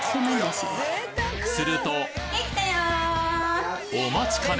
するとお待ちかね！